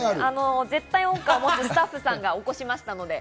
絶対音感を持つスタッフさんが起こしました。